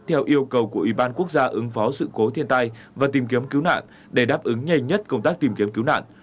theo yêu cầu của ủy ban quốc gia ứng phó sự cố thiên tai và tìm kiếm cứu nạn để đáp ứng nhanh nhất công tác tìm kiếm cứu nạn